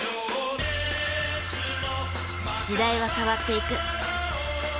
時代は変わっていく。